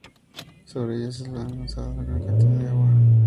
Sobre ellas era lanzada gran cantidad de agua.